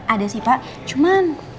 ada sih pak cuman